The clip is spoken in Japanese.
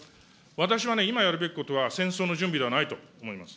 私はね、今やるべきことは戦争の準備ではないと思います。